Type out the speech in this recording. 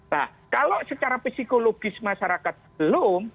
nah kalau secara psikologis masyarakat belum